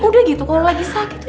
udah gitu kalau lagi sakit